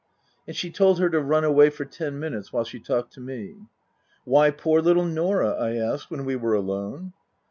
And she told her to run away for ten minutes while she talked to me. " Why poor little Norah ?" I asked when we were alone.